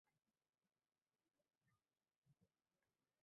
Hayvonot olamiga mehr-shafqatli bo‘lish – dinimiz talabi!